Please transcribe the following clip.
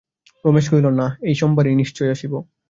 রমেশ কহিল, না, আমি এই সোমবারেই নিশ্চয় আসিব।